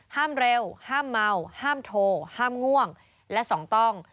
๑ห้ามเร็วห้ามเมาห้ามโทห้ามง่วง